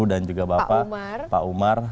dan juga bapak pak umar